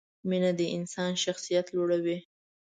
مینه د انسان شخصیت لوړوي.